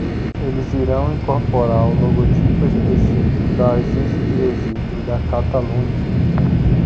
Eles irão incorporar o logotipo específico da Agência de Resíduos da Catalunha.